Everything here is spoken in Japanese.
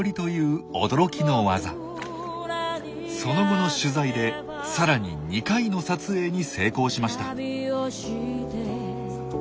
その後の取材でさらに２回の撮影に成功しました。